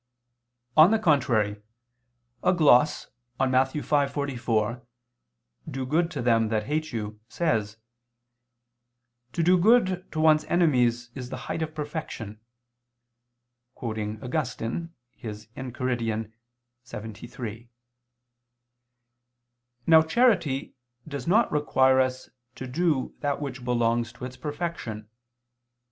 On the contrary, A gloss on Matt. 5:44, "Do good to them that hate you," says: "To do good to one's enemies is the height of perfection" [*Augustine, Enchiridion lxxiii]. Now charity does not require us to do that which belongs to its perfection.